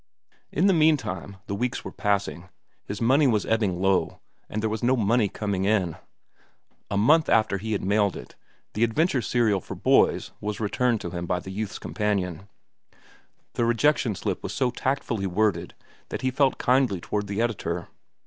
In the meantime the weeks were passing, his money was ebbing low, and there was no money coming in. A month after he had mailed it, the adventure serial for boys was returned to him by The Youth's Companion. The rejection slip was so tactfully worded that he felt kindly toward the editor.